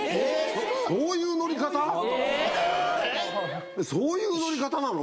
そういう乗り方⁉えっそういう乗り方なの？